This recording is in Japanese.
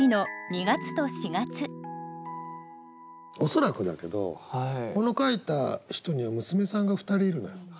恐らくだけどこの書いた人には娘さんが２人いるのよ。